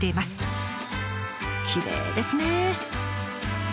きれいですね！